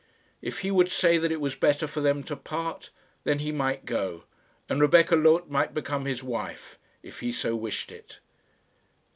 If he would say that it was better for them to part, then he might go; and Rebecca Loth might become his wife, if he so wished it.